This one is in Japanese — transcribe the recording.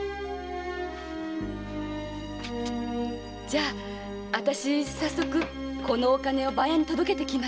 じゃあ私早速このお金を番屋に届けてきます。